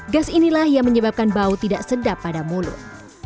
gas inilah yang menyebabkan bau tidak sedap pada mulut